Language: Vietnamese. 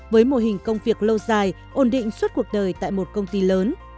với mô hình công việc lâu dài ổn định suốt cuộc đời tại một công ty lớn